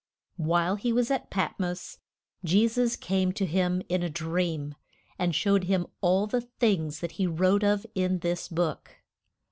While he was at Pat mos Je sus came to him in a dream, and showed him all the things that he wrote of in this book.